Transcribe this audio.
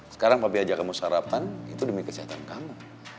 sekarang papi aja kamu sarapan itu demi kesehatan kamu